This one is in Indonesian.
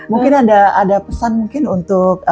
mungkin ada pesan mungkin untuk